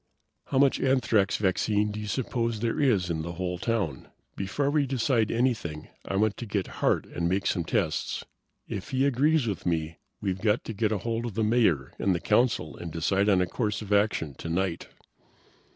"How much anthrax vaccine do you suppose there is in the whole town? Before we decide anything I want to get Hart and make some tests. If he agrees with me we've got to get hold of the Mayor and the Council and decide on a course of action tonight."